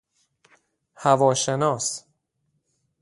هوا شناس